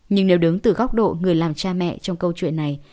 nhưng nếu đứng từ góc độ người làm cha mẹ trong câu chuyện này